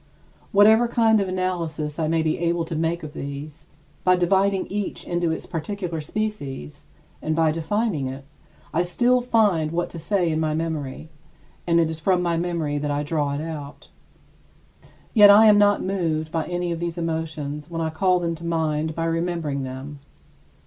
Whatever kind of analysis I may be able to make of these, by dividing each into its particular species, and by defining it, I still find what to say in my memory and it is from my memory that I draw it out. Yet I am not moved by any of these emotions when I call them to mind by remembering them.